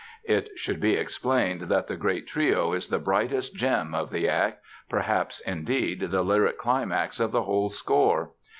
It should be explained that the great trio is the brightest gem of the act, perhaps, indeed, the lyric climax of the whole score!